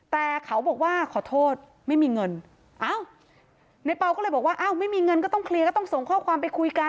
แต่เขาบอกว่าขอโทษไม่มีเงินอ้าวในเปล่าก็เลยบอกว่าอ้าวไม่มีเงินก็ต้องเคลียร์ก็ต้องส่งข้อความไปคุยกัน